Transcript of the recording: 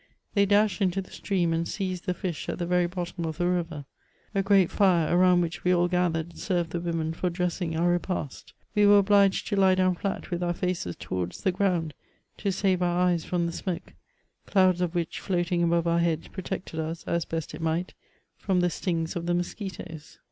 They dash into the stream, and seize the fish at the very bottom of the river. A great fire, around which we all gathered, served the women for dressing our repast. We were obliged to lie down flat with our faces towards the ground to save our eyes from the smoke, clouds of which floating above our heads protected us, as best it might, from the stings of the musqui toes.